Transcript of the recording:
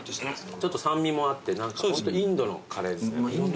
ちょっと酸味もあって何かホントインドのカレーですね。